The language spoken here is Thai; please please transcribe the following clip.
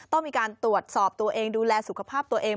ต้องมีการตรวจสอบตัวเองดูแลสุขภาพตัวเอง